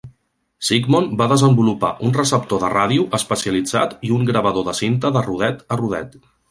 Sigmon va desenvolupar un receptor de ràdio especialitzat i un gravador de cinta de rodet a rodet.